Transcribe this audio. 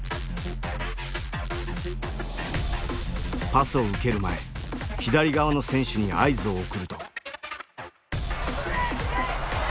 パスを受ける前左側の選手に合図を送ると。